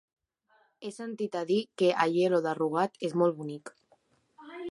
He sentit a dir que Aielo de Rugat és molt bonic.